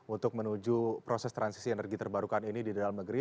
untuk menuju proses transisi energi terbarukan ini di dalam negeri